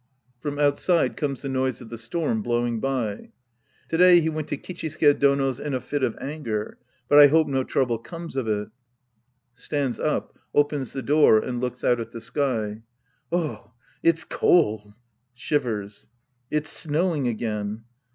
{From outside comes the noise of the storm blowing by.) To day he went to Kichisuke Dono's in a fit of anger, but I hops no trouble comes of it {Stands up, opens the door, and looks oitt at the sky.) Oh, it's cold. {Shivers.) It's snov/ing again.